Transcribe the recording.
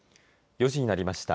４時になりました。